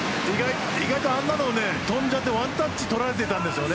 意外とあんなのを跳んじゃってワンタッチ、取られていたんです。